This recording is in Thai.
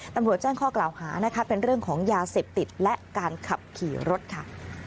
ตำรวจแจ้งข้อกล่าวหานะคะเป็นเรื่องของยาเสพติดและการขับขี่รถค่ะ